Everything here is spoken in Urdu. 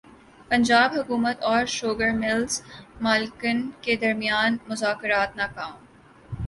پنجاب حکومت اور شوگر ملز مالکان کے درمیان مذاکرات ناکام